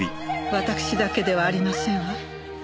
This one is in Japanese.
わたくしだけではありませんわ。